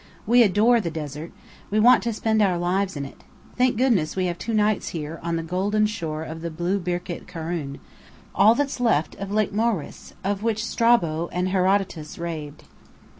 We adore the desert. We want to spend our lives in it. Thank goodness we have two nights here, on the golden shore of the blue Birket Karun, all that's left of Lake Moeris of which Strabo and Herodotus raved.